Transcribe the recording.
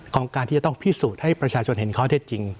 ของการที่จะต้องพิสูจน์ให้ประชาชนเห็นข้อเท็จจริง